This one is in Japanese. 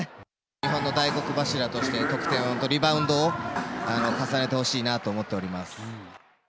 日本の大黒柱として、得点とリバウンドを重ねてほしいなと思っております。